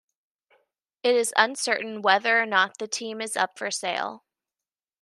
It is uncertain whether or not the team is up for sale.